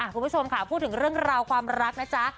คุณผู้ชมค่ะพูดถึงเรื่องราวความรักนะจ๊ะ